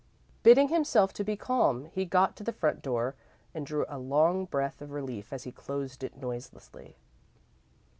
Bidding himself be calm, he got to the front door, and drew a long breath of relief as he closed it noiselessly.